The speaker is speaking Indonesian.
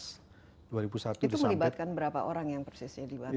itu melibatkan berapa orang yang persisnya dibantai